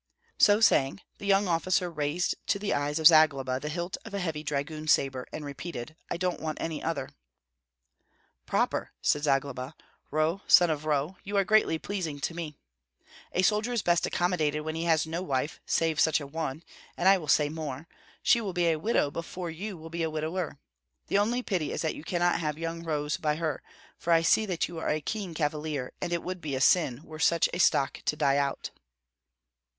So saying, the young officer raised to the eyes of Zagloba the hilt of a heavy dragoon sabre, and repeated, "I don't want any other." "Proper!" said Zagloba. "Roh, son of Roh, you are greatly pleasing to me. A soldier is best accommodated when he has no wife save such a one, and I will say more, she will be a widow before you will be a widower. The only pity is that you cannot have young Rohs by her, for I see that you are a keen cavalier, and it would be a sin were such a stock to die out."